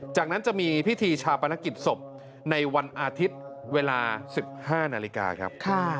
จากนั้นจะมีพิธีชาปนกิจศพในวันอาทิตย์เวลา๑๕นาฬิกาครับ